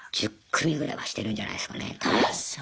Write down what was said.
１０組ぐらいはしてるんじゃないすかね多分。